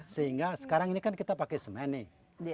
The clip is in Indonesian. sehingga sekarang ini kan kita pakai semen nih